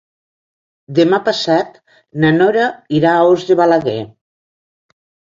Demà passat na Nora irà a Os de Balaguer.